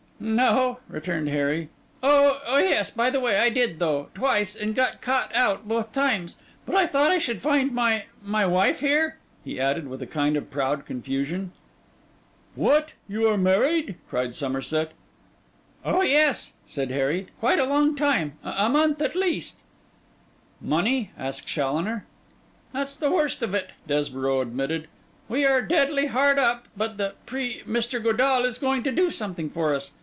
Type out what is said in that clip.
'No,' returned Harry. 'Oh yes, by the way, I did though: twice, and got caught out both times. But I thought I should find my—my wife here?' he added, with a kind of proud confusion. 'What? are you married?' cried Somerset. 'Oh yes,' said Harry, 'quite a long time: a month at least.' 'Money?' asked Challoner. 'That's the worst of it,' Desborough admitted. 'We are deadly hard up. But the Pri Mr. Godall is going to do something for us.